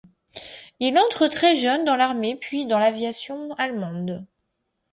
Il entre très jeune dans l'armée puis dans l'aviation allemandes.